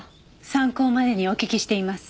参考までにお聞きしています。